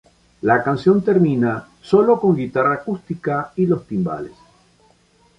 La canción termina sólo con guitarra acústica y los timbales.